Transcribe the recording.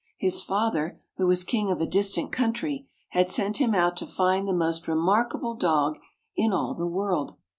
His father, who was King of a distant coun try, had sent him out to find the most remarkable dog in all the world.